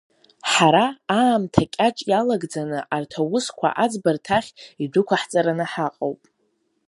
Ҳара, аамҭа кьаҿ иалагӡаны, арҭ аусқәа аӡбарҭа ахь идәықәаҳҵараны ҳаҟоуп.